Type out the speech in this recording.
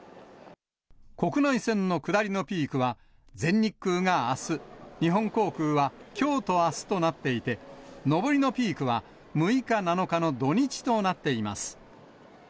国内線の下りのピークは全日空があす、日本航空はきょうとあすとなっていて、上りのピークは６日、７日の土日となっています。